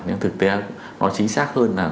nhưng thực tế nó chính xác hơn là